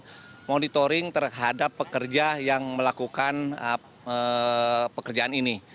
melakukan monitoring terhadap pekerja yang melakukan pekerjaan ini